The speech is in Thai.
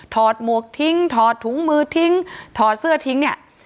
หมวกทิ้งถอดถุงมือทิ้งถอดเสื้อทิ้งเนี่ย